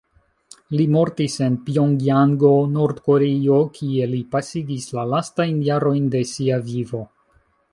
Li mortis en Pjongjango, Nord-Koreio kie li pasigis la lastajn jarojn de sia vivo.